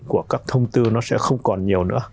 của các thông tư nó sẽ không còn nhiều nữa